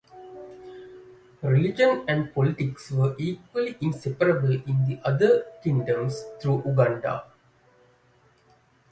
Religion and politics were equally inseparable in the other kingdoms throughout Uganda.